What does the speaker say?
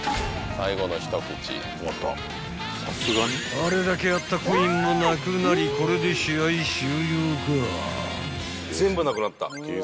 ［あれだけあったコインもなくなりこれで試合終了か？］